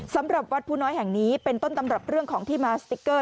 สำหรับวัดภูน้อยแห่งนี้เป็นต้นตำรับเรื่องของที่มาสติ๊กเกอร์